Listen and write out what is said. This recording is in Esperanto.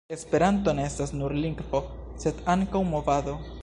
Esperanto ne estas nur lingvo, sed ankaŭ movado.